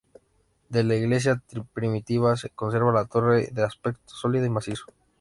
De la iglesia primitiva se conserva la torre, de aspecto sólido y macizo.